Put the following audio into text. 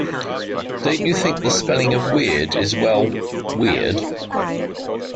Don't you think the spelling of weird is, well, weird?